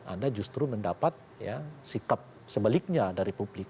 anda justru mendapat sikap sebaliknya dari publik